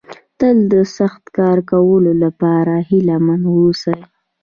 تل د سخت کار کولو لپاره هيله مند ووسئ.